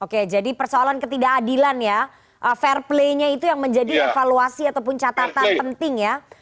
oke jadi persoalan ketidakadilan ya fair play nya itu yang menjadi evaluasi ataupun catatan penting ya